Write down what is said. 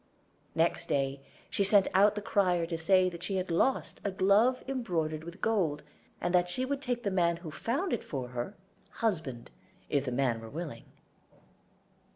Next day she sent out the crier to say that she had lost a glove embroidered with gold, and that she would take the man who found it for her husband, if the man were willing.